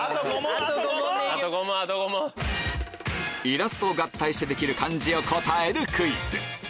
イラストを合体してできる漢字を答えるクイズ